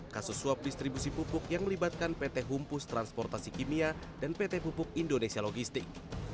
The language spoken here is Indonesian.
kasus suap distribusi pupuk yang melibatkan pt humpus transportasi kimia dan pt pupuk indonesia logistik